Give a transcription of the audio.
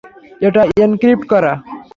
এটা এনক্রিপ্ট করা।